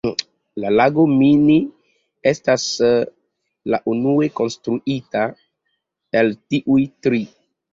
La lago Mini estis la unue konstruita el tiuj tri.